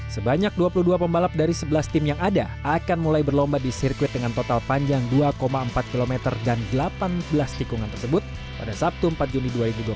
sebanyak dua puluh dua pembalap dari sebelas tim yang ada akan mulai berlomba di sirkuit dengan total panjang dua empat km dan delapan belas tikungan tersebut pada sabtu empat juni dua ribu dua puluh